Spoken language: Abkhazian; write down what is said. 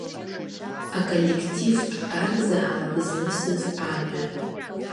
Аколлективтә арзаҳал знысыз амҩа.